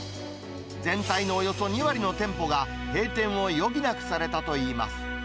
全体のおよそ２割の店舗が閉店を余儀なくされたといいます。